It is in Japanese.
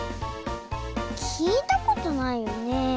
きいたことないよねえ？